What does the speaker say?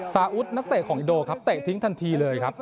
ซาอุดนักเตะของอินโดนิเซียเตะทิ้งทันทีเลยครับ